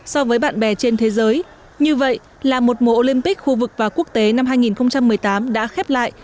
so với bạn bè trên thế giới như vậy là một mùa olympic khu vực và quốc tế năm hai nghìn một mươi tám đã khép lại